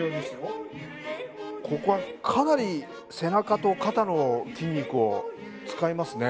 ここはかなり背中と肩の筋肉を使いますね。